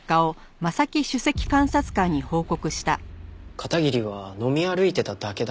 片桐は飲み歩いてただけだと？